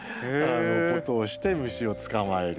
ことをして虫を捕まえる。